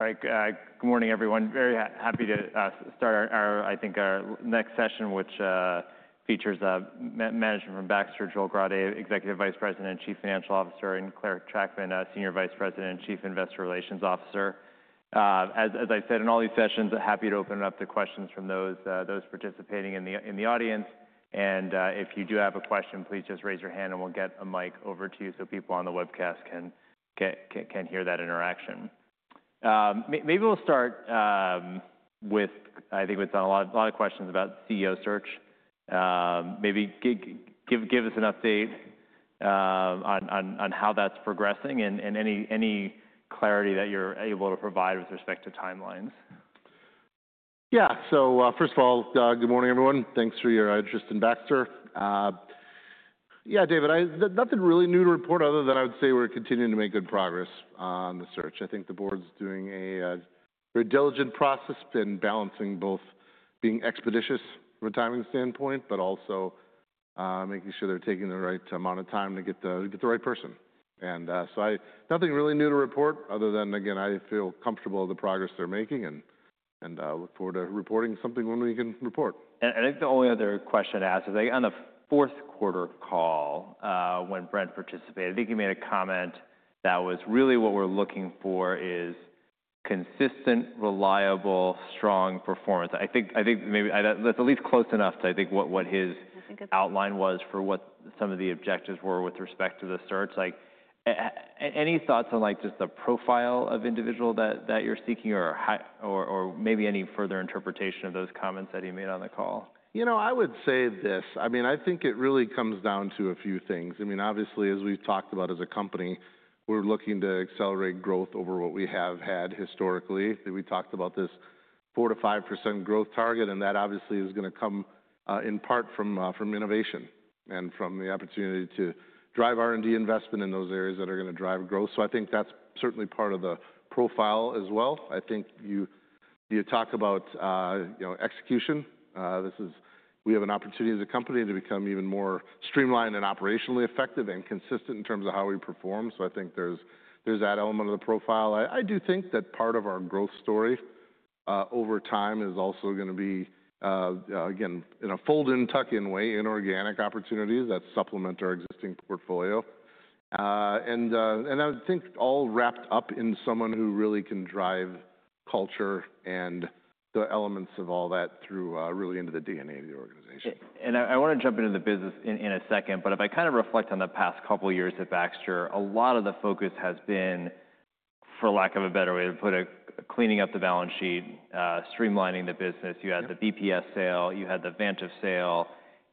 All right. Good morning, everyone. Very happy to start our, I think, our next session, which features management from Baxter, Joel Grade, Executive Vice President and Chief Financial Officer, and Clare Trachtman, Senior Vice President and Chief Investor Relations Officer. As I said in all these sessions, happy to open it up to questions from those participating in the audience. If you do have a question, please just raise your hand, and we'll get a mic over to you so people on the webcast can hear that interaction. Maybe we'll start with, I think we've done a lot of questions about CEO search. Maybe give us an update on how that's progressing and any clarity that you're able to provide with respect to timelines. Yeah. First of all, good morning, everyone. Thanks for your interest in Baxter. Yeah, David, nothing really new to report other than I would say we're continuing to make good progress on the search. I think the board's doing a very diligent process and balancing both being expeditious from a timing standpoint, but also making sure they're taking the right amount of time to get the right person. Nothing really new to report other than, again, I feel comfortable with the progress they're making and look forward to reporting something when we can report. I think the only other question to ask is on the fourth quarter call when Brent participated, I think he made a comment that was really what we're looking for is consistent, reliable, strong performance. I think maybe that's at least close enough to, I think, what his outline was for what some of the objectives were with respect to the search. Any thoughts on just the profile of individual that you're seeking or maybe any further interpretation of those comments that he made on the call? You know, I would say this. I mean, I think it really comes down to a few things. I mean, obviously, as we've talked about as a company, we're looking to accelerate growth over what we have had historically. We talked about this 4%-5% growth target, and that obviously is going to come in part from innovation and from the opportunity to drive R&D investment in those areas that are going to drive growth. I think that's certainly part of the profile as well. I think you talk about execution. We have an opportunity as a company to become even more streamlined and operationally effective and consistent in terms of how we perform. I think there's that element of the profile. I do think that part of our growth story over time is also going to be, again, in a fold-in, tuck-in way, inorganic opportunities that supplement our existing portfolio. I think all wrapped up in someone who really can drive culture and the elements of all that through really into the DNA of the organization. I want to jump into the business in a second, but if I kind of reflect on the past couple of years at Baxter, a lot of the focus has been, for lack of a better way to put it, cleaning up the balance sheet, streamlining the business. You had the BPS sale, you had the Vantive sale,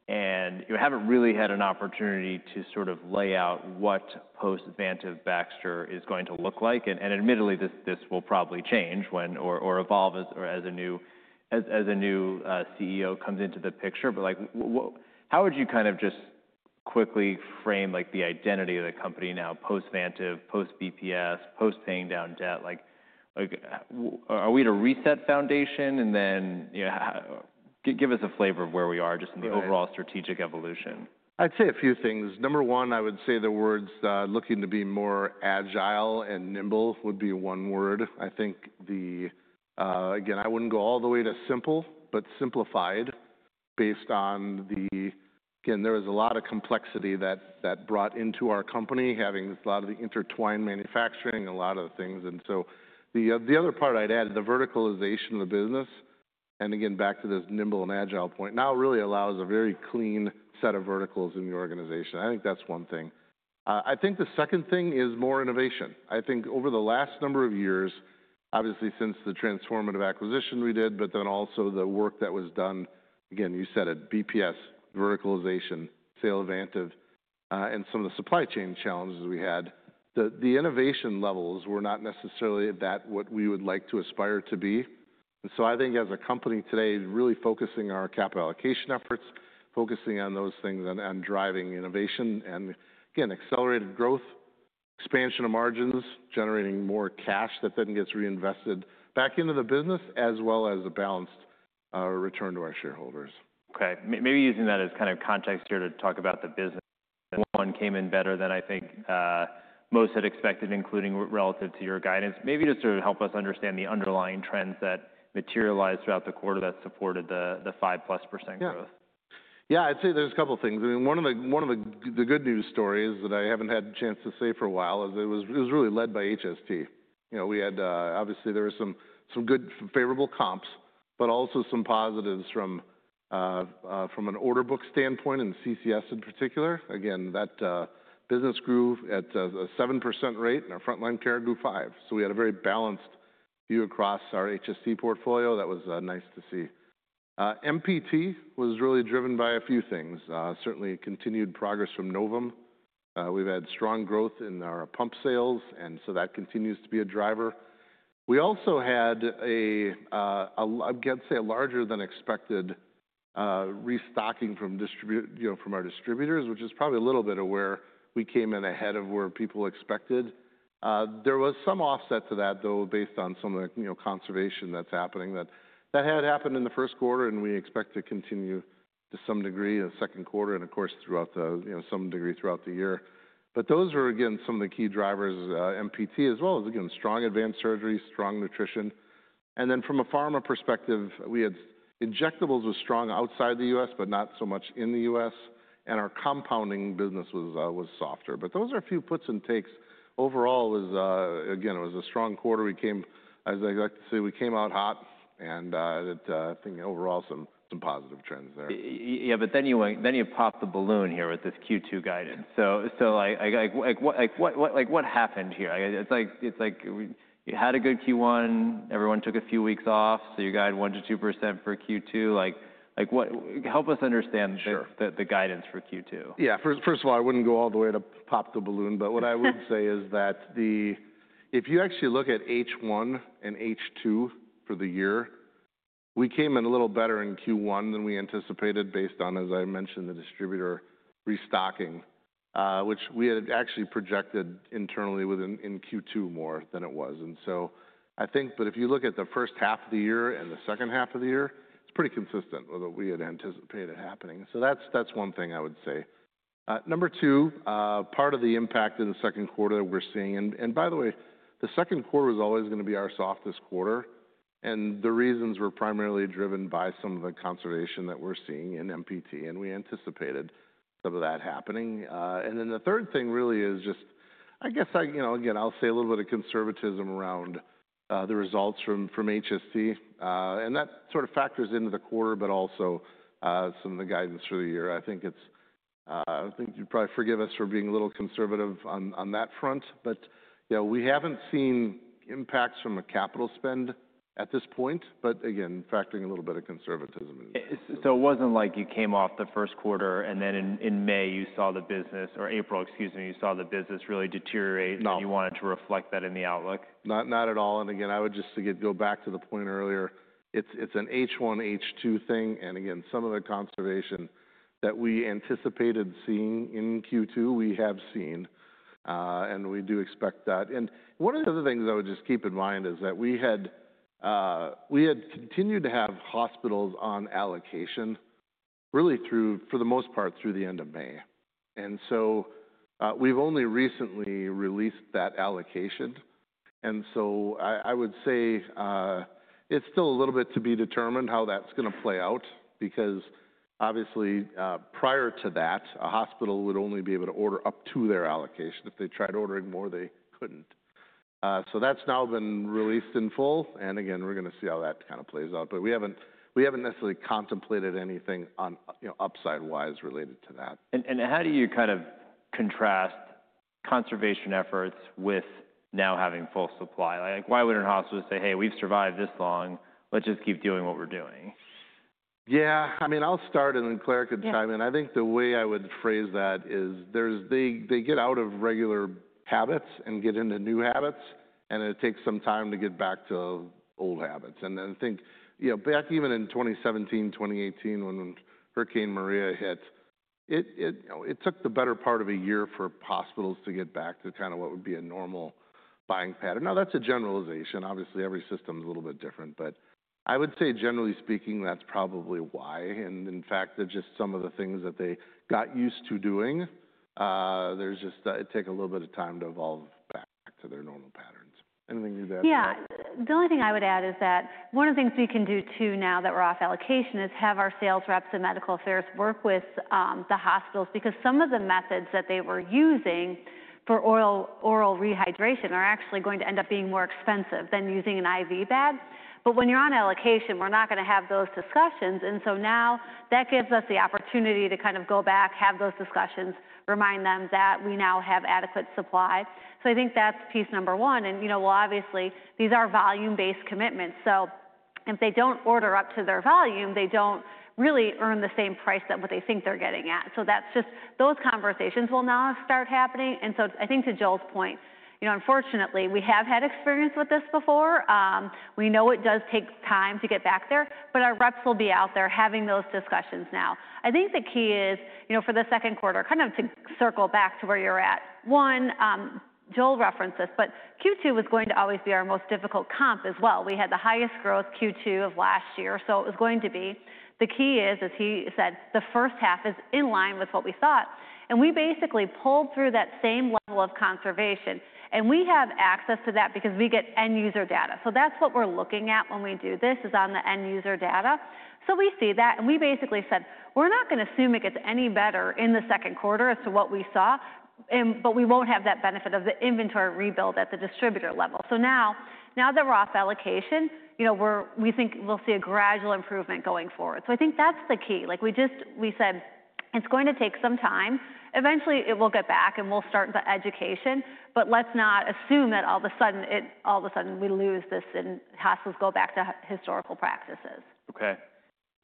and you haven't really had an opportunity to sort of lay out what post-Vantive Baxter is going to look like. Admittedly, this will probably change or evolve as a new CEO comes into the picture. How would you kind of just quickly frame the identity of the company now post-Vantive, post-BPS, post-paying down debt? Are we at a reset foundation? Give us a flavor of where we are just in the overall strategic evolution. I'd say a few things. Number one, I would say the words looking to be more agile and nimble would be one word. I think, again, I wouldn't go all the way to simple, but simplified based on the, again, there is a lot of complexity that brought into our company, having a lot of the intertwined manufacturing and a lot of things. The other part I'd add, the verticalization of the business, and again, back to this nimble and agile point, now really allows a very clean set of verticals in the organization. I think that's one thing. I think the second thing is more innovation. I think over the last number of years, obviously since the transformative acquisition we did, but then also the work that was done, again, you said it, BPS, verticalization, sale of Vantive, and some of the supply chain challenges we had, the innovation levels were not necessarily at that, what we would like to aspire to be. I think as a company today, really focusing on our capital allocation efforts, focusing on those things and driving innovation and, again, accelerated growth, expansion of margins, generating more cash that then gets reinvested back into the business, as well as a balanced return to our shareholders. Okay. Maybe using that as kind of context here to talk about the business. One came in better than I think most had expected, including relative to your guidance. Maybe just to help us understand the underlying trends that materialized throughout the quarter that supported the 5%+ growth. Yeah. Yeah, I'd say there's a couple of things. I mean, one of the good news stories that I haven't had a chance to say for a while is it was really led by HST. We had, obviously, there were some good favorable comps, but also some positives from an order book standpoint and CCS in particular. Again, that business grew at a 7% rate and our front line care grew 5%. We had a very balanced view across our HST portfolio. That was nice to see. MPT was really driven by a few things. Certainly, continued progress from Novum. We've had strong growth in our pump sales, and that continues to be a driver. We also had, I'd say, a larger than expected restocking from our distributors, which is probably a little bit of where we came in ahead of where people expected. There was some offset to that, though, based on some of the conservation that's happening that had happened in the first quarter, and we expect to continue to some degree in the second quarter and, of course, to some degree throughout the year. Those were, again, some of the key drivers, MPT, as well as, again, strong advanced surgery, strong nutrition. From a pharma perspective, we had injectables was strong outside the U.S., but not so much in the U.S., and our compounding business was softer. Those are a few puts and takes. Overall, again, it was a strong quarter. As I like to say, we came out hot, and I think overall some positive trends there. Yeah, but then you popped the balloon here with this Q2 guidance. What happened here? It's like you had a good Q1, everyone took a few weeks off, so you guide 1%-2% for Q2. Help us understand the guidance for Q2. Yeah. First of all, I wouldn't go all the way to pop the balloon, but what I would say is that if you actually look at H1 and H2 for the year, we came in a little better in Q1 than we anticipated based on, as I mentioned, the distributor restocking, which we had actually projected internally in Q2 more than it was. I think, if you look at the first half of the year and the second half of the year, it's pretty consistent with what we had anticipated happening. That's one thing I would say. Number two, part of the impact in the second quarter that we're seeing, and by the way, the second quarter was always going to be our softest quarter. The reasons were primarily driven by some of the conservation that we're seeing in MPT, and we anticipated some of that happening. The third thing really is just, I guess, again, I'll say a little bit of conservatism around the results from HST, and that sort of factors into the quarter, but also some of the guidance for the year. I think you'd probably forgive us for being a little conservative on that front, but we haven't seen impacts from a capital spend at this point, again, factoring a little bit of conservatism. It wasn't like you came off the first quarter and then in May you saw the business, or April, excuse me, you saw the business really deteriorate and you wanted to reflect that in the outlook? Not at all. I would just go back to the point earlier. It's an H1, H2 thing, and some of the conservation that we anticipated seeing in Q2, we have seen, and we do expect that. One of the other things I would just keep in mind is that we had continued to have hospitals on allocation really for the most part through the end of May. We have only recently released that allocation. I would say it's still a little bit to be determined how that's going to play out because obviously prior to that, a hospital would only be able to order up to their allocation. If they tried ordering more, they could not. That's now been released in full, and again, we're going to see how that kind of plays out, but we haven't necessarily contemplated anything upside-wise related to that. How do you kind of contrast conservation efforts with now having full supply? Why would hospitals not say, "Hey, we've survived this long, let's just keep doing what we're doing"? Yeah. I mean, I'll start and then Clare can chime in. I think the way I would phrase that is they get out of regular habits and get into new habits, and it takes some time to get back to old habits. I think back even in 2017, 2018, when Hurricane Maria hit, it took the better part of a year for hospitals to get back to kind of what would be a normal buying pattern. Now, that's a generalization. Obviously, every system is a little bit different, but I would say generally speaking, that's probably why. In fact, just some of the things that they got used to doing, there's just it'd take a little bit of time to evolve back to their normal patterns. Anything you'd add to that? Yeah. The only thing I would add is that one of the things we can do too now that we're off allocation is have our sales reps and medical affairs work with the hospitals because some of the methods that they were using for oral rehydration are actually going to end up being more expensive than using an IV bag. When you're on allocation, we're not going to have those discussions. That gives us the opportunity to kind of go back, have those discussions, remind them that we now have adequate supply. I think that's piece number one. Obviously, these are volume-based commitments. If they do not order up to their volume, they do not really earn the same price that what they think they're getting at. Those conversations will now start happening. I think to Joel's point, unfortunately, we have had experience with this before. We know it does take time to get back there, but our reps will be out there having those discussions now. I think the key is for the second quarter, kind of to circle back to where you're at. One, Joel referenced this, but Q2 was going to always be our most difficult comp as well. We had the highest growth Q2 of last year, so it was going to be. The key is, as he said, the first half is in line with what we thought. And we basically pulled through that same level of conservation, and we have access to that because we get end user data. That is what we're looking at when we do this is on the end user data. We see that, and we basically said, "We're not going to assume it gets any better in the second quarter as to what we saw, but we won't have that benefit of the inventory rebuild at the distributor level." Now that we're off allocation, we think we'll see a gradual improvement going forward. I think that's the key. We said it's going to take some time. Eventually, it will get back, and we'll start the education, but let's not assume that all of a sudden we lose this and hospitals go back to historical practices. Okay.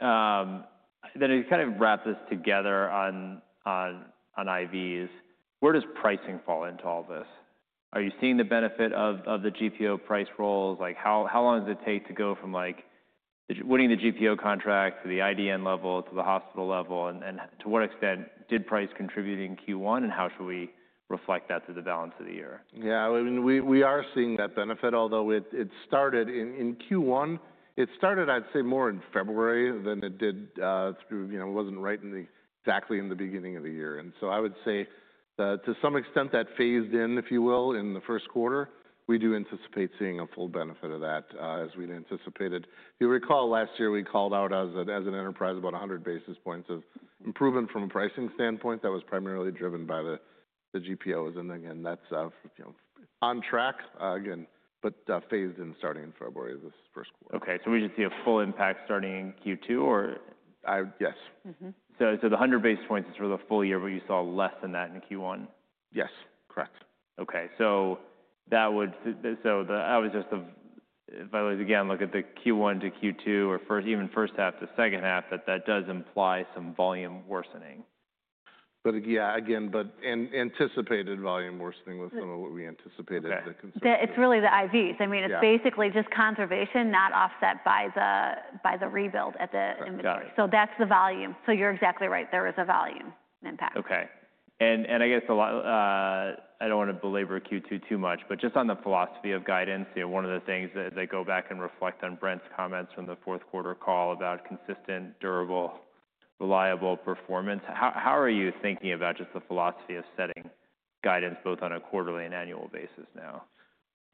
Then to kind of wrap this together on IVs, where does pricing fall into all this? Are you seeing the benefit of the GPO price roles? How long does it take to go from winning the GPO contract to the IDN level to the hospital level? To what extent did price contribute in Q1, and how should we reflect that through the balance of the year? Yeah. I mean, we are seeing that benefit, although it started in Q1. It started, I'd say, more in February than it did through it was not right exactly in the beginning of the year. I would say to some extent that phased in, if you will, in the first quarter. We do anticipate seeing a full benefit of that as we had anticipated. You'll recall last year we called out as an enterprise about 100 basis points of improvement from a pricing standpoint. That was primarily driven by the GPOs. Again, that's on track, again, but phased in starting in February of this first quarter. Okay. So we should see a full impact starting in Q2, or? Yes. The 100 basis points is for the full year, but you saw less than that in Q1? Yes. Correct. Okay. So that would just, if I was again look at the Q1 to Q2 or even first half to second half, that that does imply some volume worsening. Yeah, again, but anticipated volume worsening was some of what we anticipated. It's really the IVs. I mean, it's basically just conservation, not offset by the rebuild at the inventory. That's the volume. You're exactly right. There is a volume impact. Okay. I guess I do not want to belabor Q2 too much, but just on the philosophy of guidance, one of the things that go back and reflect on Brent's comments from the fourth quarter call about consistent, durable, reliable performance, how are you thinking about just the philosophy of setting guidance both on a quarterly and annual basis now?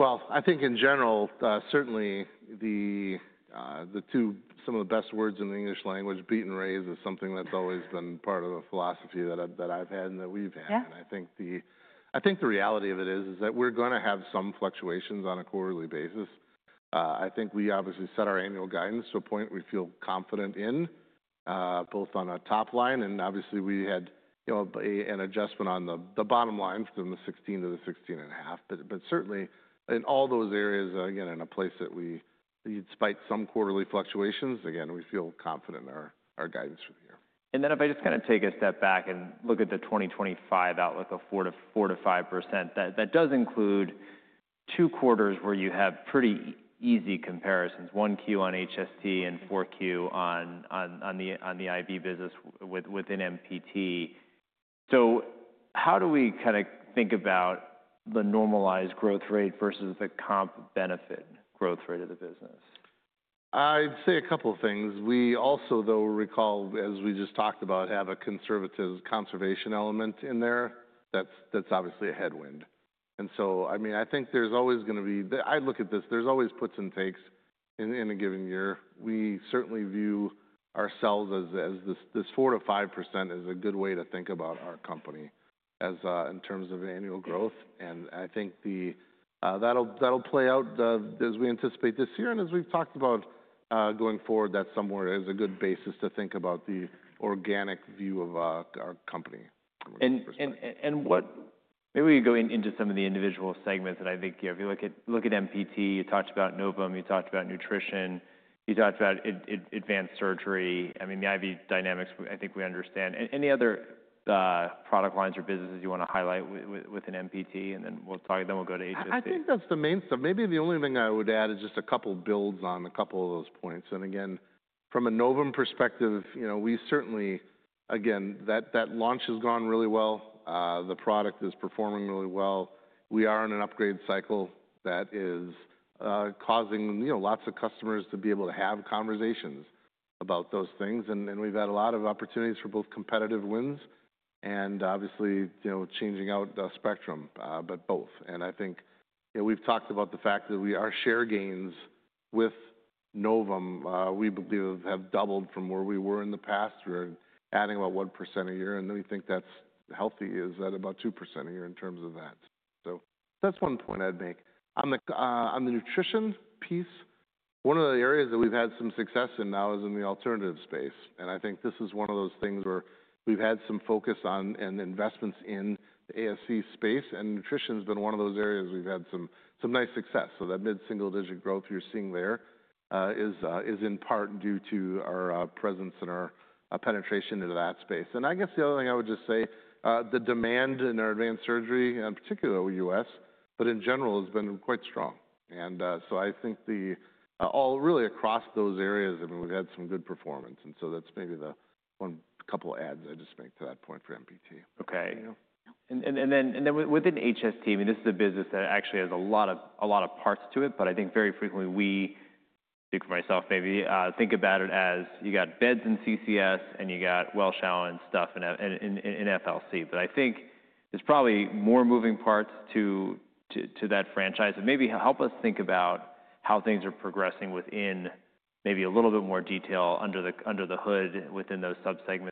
I think in general, certainly some of the best words in the English language, beat and raise, is something that's always been part of the philosophy that I've had and that we've had. I think the reality of it is that we're going to have some fluctuations on a quarterly basis. I think we obviously set our annual guidance to a point we feel confident in, both on a top line, and obviously we had an adjustment on the bottom line from the 16% to 16.5%. Certainly in all those areas, again, in a place that we, despite some quarterly fluctuations, again, we feel confident in our guidance for the year. If I just kind of take a step back and look at the 2025 outlook of 4%-5%, that does include two quarters where you have pretty easy comparisons, 1Q on HST and 4Q on the IV business within MPT. How do we kind of think about the normalized growth rate versus the comp benefit growth rate of the business? I'd say a couple of things. We also, though, recall, as we just talked about, have a conservation element in there that's obviously a headwind. I mean, I think there's always going to be, I look at this, there's always puts and takes in a given year. We certainly view ourselves as this 4%-5% is a good way to think about our company in terms of annual growth. I think that'll play out as we anticipate this year. As we've talked about going forward, that somewhere is a good basis to think about the organic view of our company. Maybe we could go into some of the individual segments. I think if you look at MPT, you talked about Novum, you talked about nutrition, you talked about advanced surgery. I mean, the IV dynamics, I think we understand. Any other product lines or businesses you want to highlight within MPT, and then we'll talk, then we'll go to HST? I think that's the main stuff. Maybe the only thing I would add is just a couple of builds on a couple of those points. Again, from a Novum perspective, we certainly, again, that launch has gone really well. The product is performing really well. We are in an upgrade cycle that is causing lots of customers to be able to have conversations about those things. We've had a lot of opportunities for both competitive wins and obviously changing out the spectrum, but both. I think we've talked about the fact that our share gains with Novum, we believe, have doubled from where we were in the past. We're adding about 1% a year, and we think that's healthy. Is that about 2% a year in terms of that? That's one point I'd make. On the nutrition piece, one of the areas that we've had some success in now is in the alternative space. I think this is one of those things where we've had some focus on and investments in the ASC space. Nutrition has been one of those areas we've had some nice success. That mid-single digit growth you're seeing there is in part due to our presence and our penetration into that space. I guess the other thing I would just say, the demand in our advanced surgery, in particular U.S., but in general, has been quite strong. I think all really across those areas, I mean, we've had some good performance. That's maybe the one couple of adds I just make to that point for MPT. Okay. And then within HST, I mean, this is a business that actually has a lot of parts to it, but I think very frequently we, speak for myself maybe, think about it as you got beds in CCS and you got well-shallow and stuff in FLC. I think there's probably more moving parts to that franchise. Maybe help us think about how things are progressing within maybe a little bit more detail under the hood within those subsegments.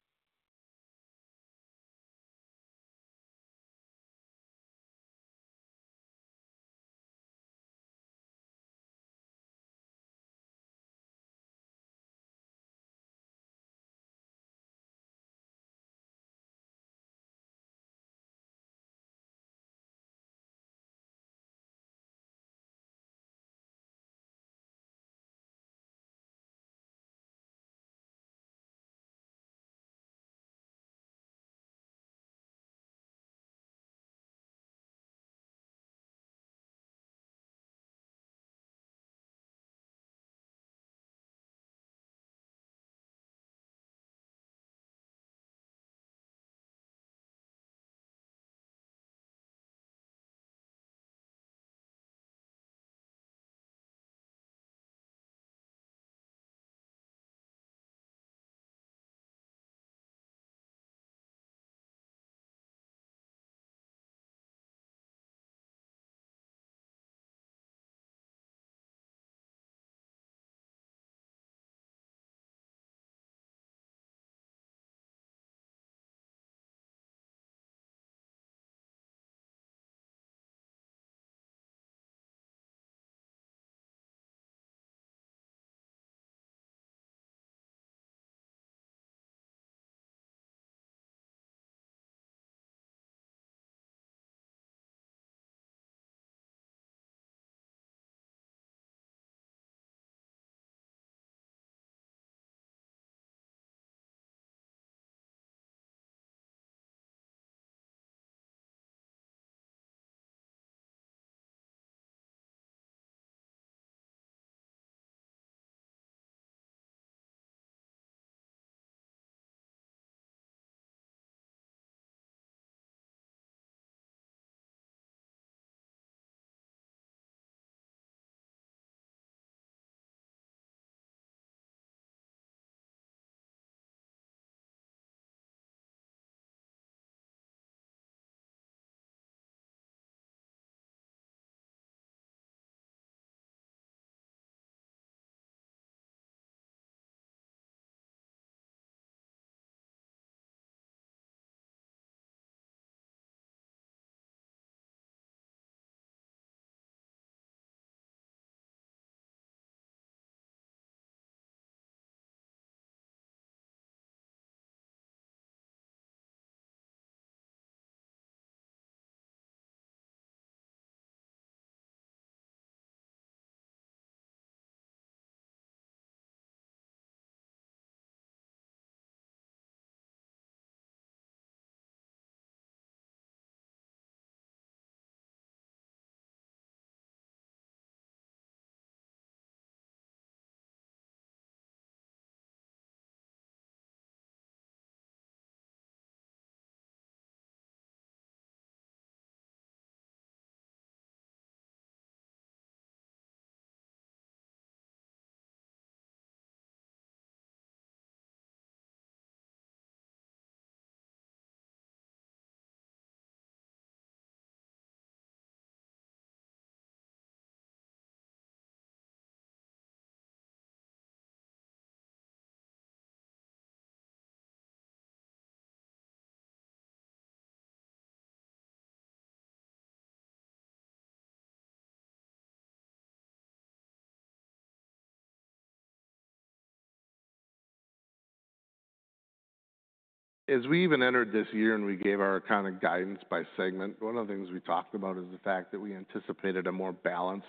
As we even entered this year and we gave our kind of guidance by segment, one of the things we talked about is the fact that we anticipated a more balanced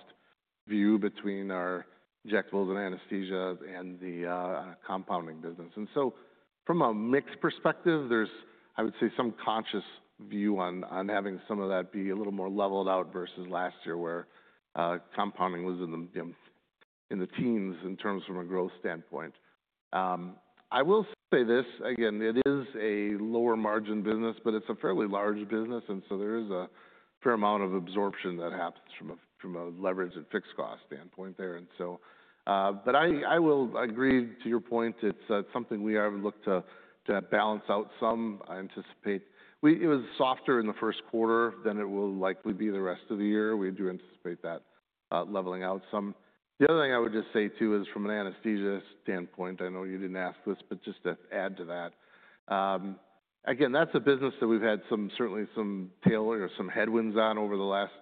view between our injectables and anesthesia and the compounding business. From a mixed perspective, there is, I would say, some conscious view on having some of that be a little more leveled out versus last year where compounding was in the teens in terms from a growth standpoint. I will say this, again, it is a lower margin business, but it is a fairly large business. There is a fair amount of absorption that happens from a leverage and fixed cost standpoint there. I will agree to your point. It is something we have looked to balance out some. I anticipate it was softer in the first quarter than it will likely be the rest of the year. We do anticipate that leveling out some. The other thing I would just say too is from an anesthesia standpoint, I know you did not ask this, but just to add to that, again, that is a business that we have had certainly some tail or some headwinds on over the last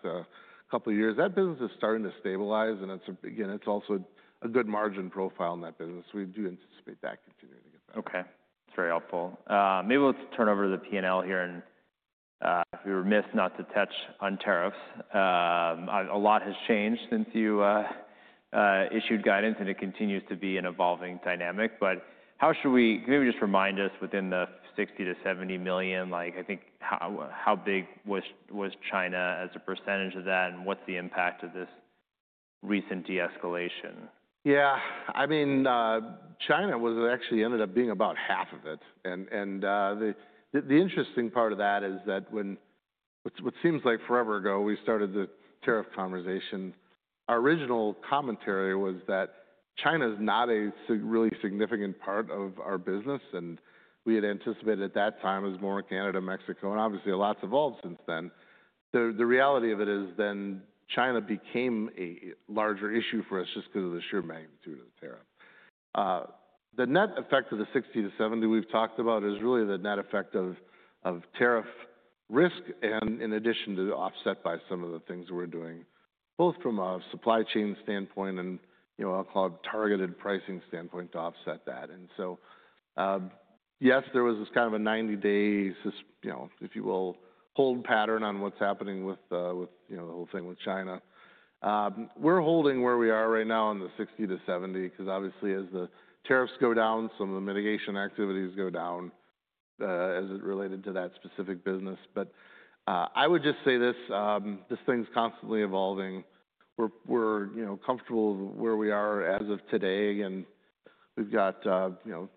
couple of years. That business is starting to stabilize, and again, it is also a good margin profile in that business. We do anticipate that continuing to get better. Okay. That's very helpful. Maybe let's turn over to the P&L here and we were remiss not to touch on tariffs. A lot has changed since you issued guidance, and it continues to be an evolving dynamic. How should we, maybe just remind us, within the $60 million-$70 million, I think, how big was China as a percentage of that, and what's the impact of this recent de-escalation? Yeah. I mean, China was actually ended up being about half of it. The interesting part of that is that when what seems like forever ago, we started the tariff conversation, our original commentary was that China is not a really significant part of our business. I had anticipated at that time it was more Canada, Mexico, and obviously lots evolved since then. The reality of it is then China became a larger issue for us just because of the sheer magnitude of the tariff. The net effect of the 60-70 we have talked about is really the net effect of tariff risk and in addition to offset by some of the things we are doing, both from a supply chain standpoint and I will call it targeted pricing standpoint to offset that. Yes, there was this kind of a 90-day, if you will, hold pattern on what is happening with the whole thing with China. We are holding where we are right now in the 60-70 because obviously as the tariffs go down, some of the mitigation activities go down as it related to that specific business. I would just say this, this thing is constantly evolving. We are comfortable where we are as of today.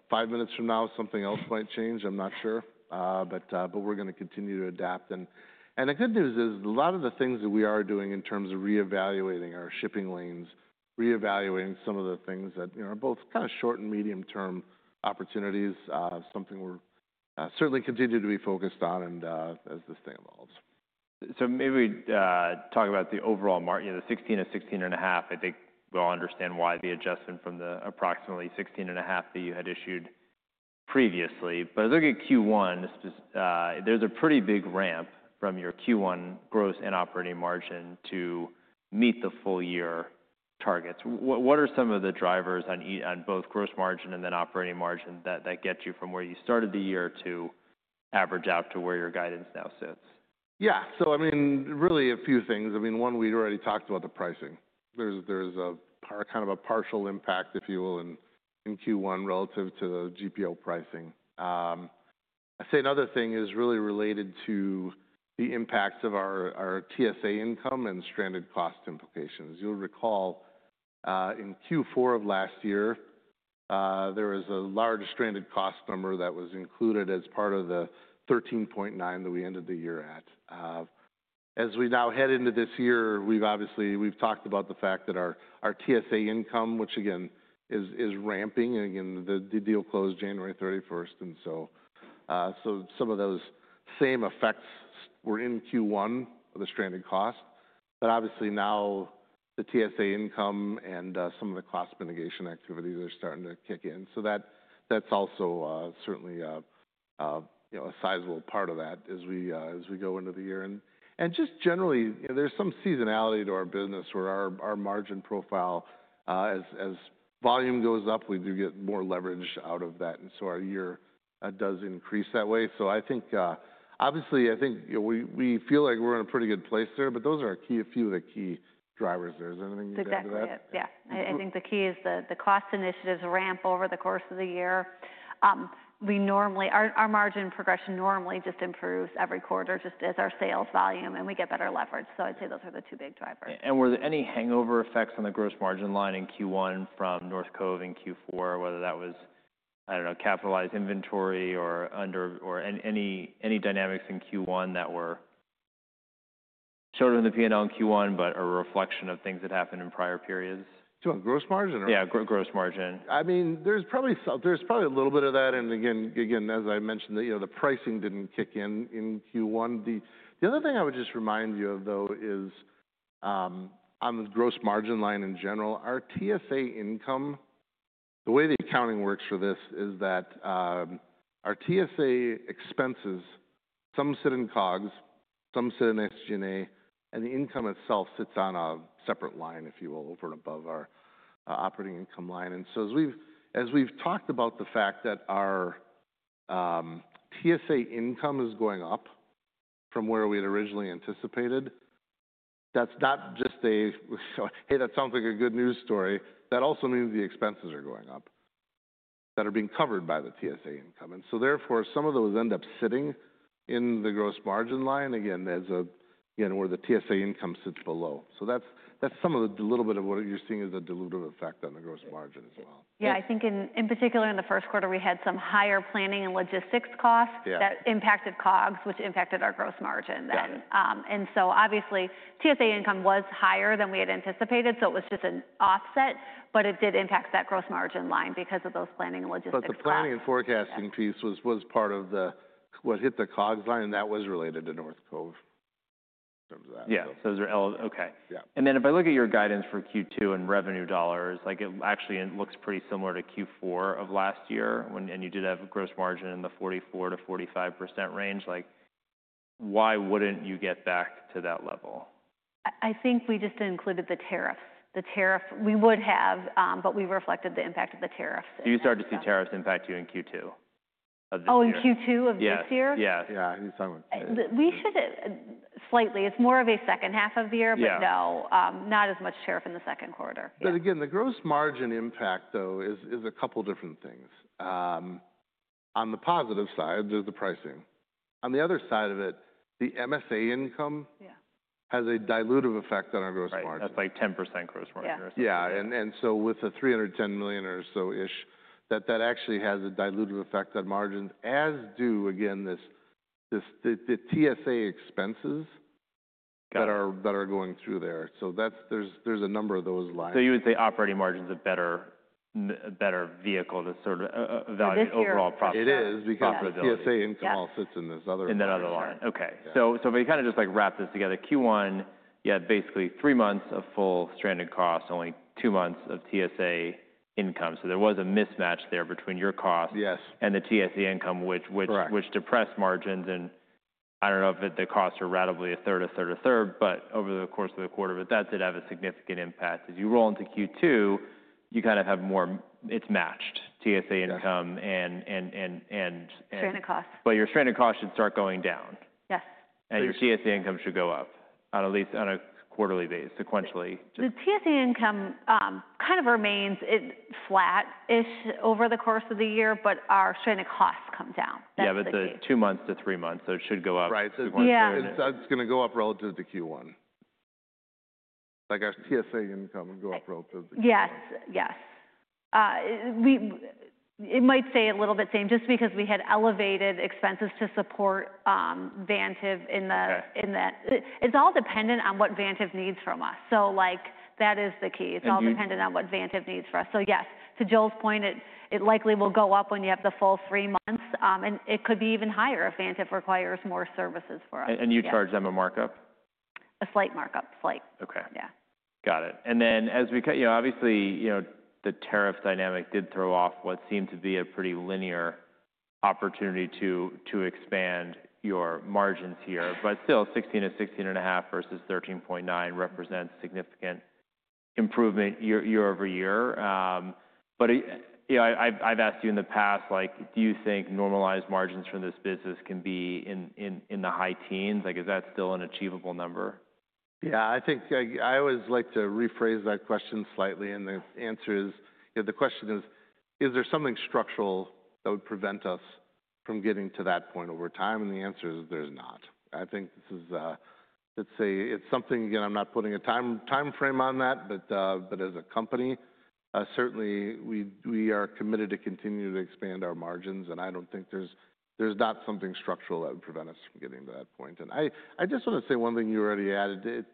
Five minutes from now, something else might change. I am not sure, but we are going to continue to adapt. The good news is a lot of the things that we are doing in terms of reevaluating our shipping lanes, reevaluating some of the things that are both kind of short and medium-term opportunities, are something we are certainly continuing to be focused on as this thing evolves. Maybe we talk about the overall market, the 16% to 16.5%. I think we'll understand why the adjustment from the approximately 16.5% that you had issued previously. Looking at Q1, there's a pretty big ramp from your Q1 gross and operating margin to meet the full year targets. What are some of the drivers on both gross margin and then operating margin that get you from where you started the year to average out to where your guidance now sits? Yeah. So I mean, really a few things. I mean, one, we'd already talked about the pricing. There's kind of a partial impact, if you will, in Q1 relative to the GPO pricing. I'd say another thing is really related to the impacts of our TSA income and stranded cost implications. You'll recall in Q4 of last year, there was a large stranded cost number that was included as part of the 13.9 that we ended the year at. As we now head into this year, we've obviously talked about the fact that our TSA income, which again is ramping, and again, the deal closed January 31st, and so some of those same effects were in Q1 of the stranded cost. Obviously now the TSA income and some of the cost mitigation activities are starting to kick in. That's also certainly a sizable part of that as we go into the year. Just generally, there's some seasonality to our business where our margin profile, as volume goes up, we do get more leverage out of that. Our year does increase that way. I think obviously, I think we feel like we're in a pretty good place there, but those are a few of the key drivers there. Is there anything you'd like to add to that? Exactly. Yeah. I think the key is the cost initiatives ramp over the course of the year. Our margin progression normally just improves every quarter, just as our sales volume, and we get better leverage. I'd say those are the two big drivers. Were there any hangover effects on the gross margin line in Q1 from North Cove in Q4, whether that was, I don't know, capitalized inventory or any dynamics in Q1 that were shown in the P&L in Q1, but a reflection of things that happened in prior periods? Do you want gross margin or? Yeah, gross margin. I mean, there's probably a little bit of that. Again, as I mentioned, the pricing didn't kick in in Q1. The other thing I would just remind you of, though, is on the gross margin line in general, our TSA income, the way the accounting works for this is that our TSA expenses, some sit in COGS, some sit in SG&A, and the income itself sits on a separate line, if you will, over and above our operating income line. As we've talked about the fact that our TSA income is going up from where we had originally anticipated, that's not just a, "Hey, that sounds like a good news story." That also means the expenses are going up that are being covered by the TSA income. Therefore, some of those end up sitting in the gross margin line, again, where the TSA income sits below. That is some of what you are seeing as a dilutive effect on the gross margin as well. Yeah. I think in particular, in the first quarter, we had some higher planning and logistics costs that impacted COGS, which impacted our gross margin then. TSA income was higher than we had anticipated, so it was just an offset, but it did impact that gross margin line because of those planning and logistics costs. The planning and forecasting piece was part of what hit the COGS line, and that was related to North Cove. Yeah. So those are okay. And then if I look at your guidance for Q2 and revenue dollars, it actually looks pretty similar to Q4 of last year, and you did have gross margin in the 44%-45% range. Why would not you get back to that level? I think we just included the tariffs. The tariff, we would have, but we reflected the impact of the tariffs. You started to see tariffs impact you in Q2 of this year? Oh, in Q2 of this year? Yeah. Yeah. Yeah. We should have slightly. It's more of a second half of the year, but no, not as much tariff in the second quarter. Again, the gross margin impact, though, is a couple of different things. On the positive side, there's the pricing. On the other side of it, the MSA income has a dilutive effect on our gross margin. That's like 10% gross margin. Yeah. With the $310 million or so-ish, that actually has a dilutive effect on margins, as do, again, the TSA expenses that are going through there. There are a number of those lines. You would say operating margin's a better vehicle to sort of value overall profit margin. It is because the TSA income all sits in this other line. In that other line. Okay. If we kind of just wrap this together, Q1, you had basically three months of full stranded costs, only two months of TSA income. There was a mismatch there between your costs and the TSA income, which depressed margins. I do not know if the costs are ratably 1/3, 1/3, 1/3, but over the course of the quarter, that did have a significant impact. As you roll into Q2, you kind of have more, it is matched TSA income and. Stranded costs. Your stranded costs should start going down. Yes. Your TSA income should go up on a quarterly basis, sequentially. The TSA income kind of remains flat-ish over the course of the year, but our stranded costs come down. Yeah, but two months to three months, so it should go up sequentially. Yeah. It's going to go up relative to Q1. Like our TSA income would go up relative to Q1. Yes. Yes. It might stay a little bit the same just because we had elevated expenses to support Vantive in that. It's all dependent on what Vantive needs from us. That is the key. It's all dependent on what Vantive needs from us. Yes, to Joel's point, it likely will go up when you have the full three months, and it could be even higher if Vantive requires more services from us. You charge them a markup? A slight markup. Slight. Okay. Yeah. Got it. As we cut, obviously, the tariff dynamic did throw off what seemed to be a pretty linear opportunity to expand your margins here. Still, 16%-16.5% versus 13.9% represents significant improvement year over year. I have asked you in the past, do you think normalized margins for this business can be in the high teens? Is that still an achievable number? Yeah. I think I always like to rephrase that question slightly, and the answer is, the question is, is there something structural that would prevent us from getting to that point over time? And the answer is there's not. I think this is, let's say, it's something, again, I'm not putting a timeframe on that, but as a company, certainly we are committed to continue to expand our margins, and I don't think there's not something structural that would prevent us from getting to that point. I just want to say one thing you already added.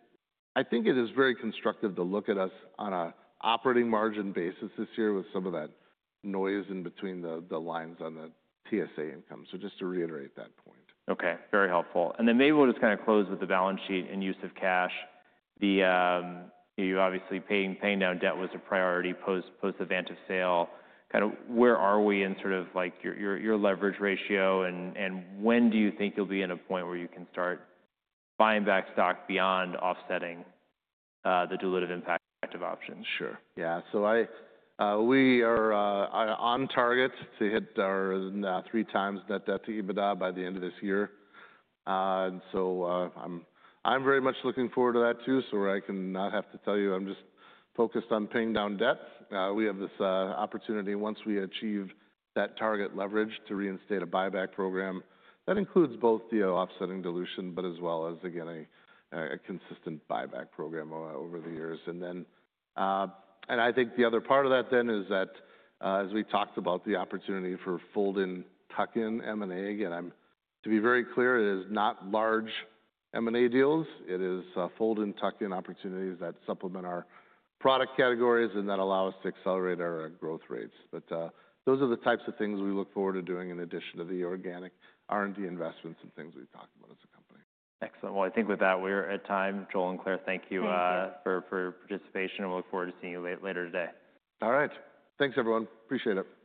I think it is very constructive to look at us on an operating margin basis this year with some of that noise in between the lines on the TSA income. Just to reiterate that point. Okay. Very helpful. Maybe we'll just kind of close with the balance sheet and use of cash. You obviously paying down debt was a priority post the Vantive sale. Kind of where are we in sort of your leverage ratio, and when do you think you'll be in a point where you can start buying back stock beyond offsetting the dilutive impact of options? Sure. Yeah. We are on target to hit our 3x net debt-to-EBITDA by the end of this year. I am very much looking forward to that too, so I can not have to tell you. I am just focused on paying down debt. We have this opportunity once we achieve that target leverage to reinstate a buyback program that includes both the offsetting dilution, but as well as, again, a consistent buyback program over the years. I think the other part of that then is that, as we talked about, the opportunity for fold-in, tuck-in M&A. Again, to be very clear, it is not large M&A deals. It is fold-in, tuck-in opportunities that supplement our product categories and that allow us to accelerate our growth rates. Those are the types of things we look forward to doing in addition to the organic R&D investments and things we've talked about as a company. Excellent. I think with that, we're at time. Joel and Clare, thank you for participating, and we look forward to seeing you later today. All right. Thanks, everyone. Appreciate it.